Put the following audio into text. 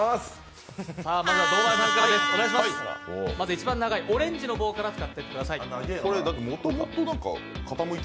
一番長いオレンジの棒から使ってください。